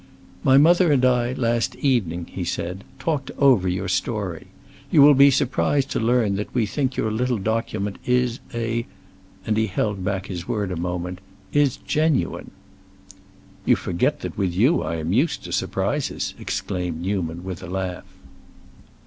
"My mother and I, last evening," he said, "talked over your story. You will be surprised to learn that we think your little document is—a"—and he held back his word a moment—"is genuine." "You forget that with you I am used to surprises!" exclaimed Newman, with a laugh.